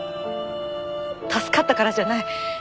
助かったからじゃない。